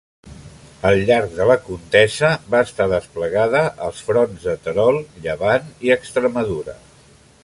Al llarg de la contesa va estar desplegada als fronts de Terol, Llevant i Extremadura.